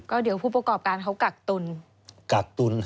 ก็เดี๋ยวผู้ประกอบการเขากักตุน